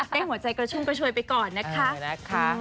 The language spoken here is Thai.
ใกล้หัวใจกระชุมก็ช่วยไปก่อนนะคะ